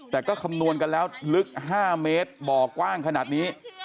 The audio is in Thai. แต่ก็คำนวณกันแล้วลึก๕เมตรบ่อกว้างขนาดนี้